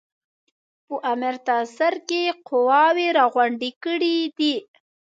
په امرتسر کې قواوي را غونډي کړي دي.